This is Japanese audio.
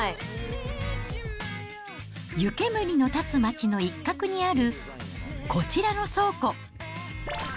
湯煙の立つ町の一角にあるこちらの倉庫。